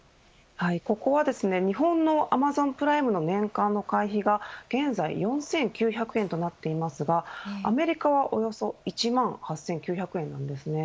ここはですね日本のアマゾンプライムの年間の会費が現在４９００円となっていますがアメリカはおよそ１万８９００円なんです。